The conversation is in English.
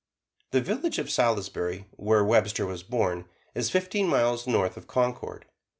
The village of Salisbury, where Webster was born, is fifteen miles north of Concord.